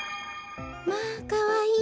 まあかわいい。